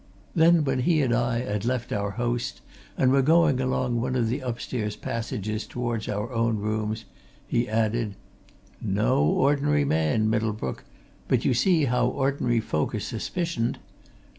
Then, when he and I had left our host, and were going along one of the upstairs passages towards our own rooms, he added: "No ordinary man, Middlebrook! but you see how ordinary folk are suspicioned!